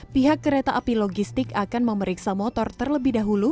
pihak kereta api logistik akan memeriksa motornya